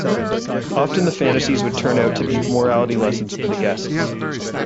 Often the fantasies would turn out to be morality lessons for the guests.